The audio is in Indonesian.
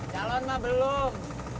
calon mah belum